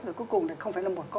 rồi cuối cùng không phải là một cốc